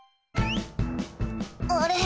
あれ？